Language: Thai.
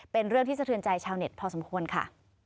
เป็นเรื่องที่สะเทือนใจชาวเน็ตพอสมควรค่ะ